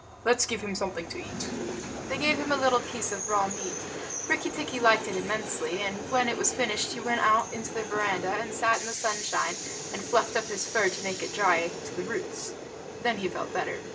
Let's give him something to eat." They gave him a little piece of raw meat. Rikki tikki liked it immensely, and when it was finished he went out into the veranda and sat in the sunshine and fluffed up his fur to make it dry to the roots. Then he felt better.